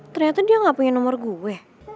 ternyata dia nggak punya nomor gue